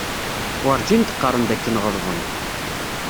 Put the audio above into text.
Werǧin d-qarren dakken ɣelḍen.